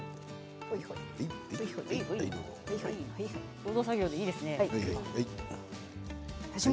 共同作業でいいですね。